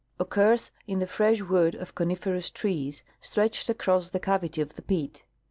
occurs in the fresh wood of coniferous trees, stretched across the cavity of the pit.